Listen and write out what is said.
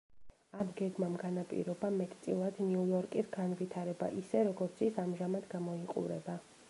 ამ გეგმამ განაპირობა მეტწილად ნიუ-იორკის განვითარება ისე, როგორც ის ამჟამად გამოიყურება.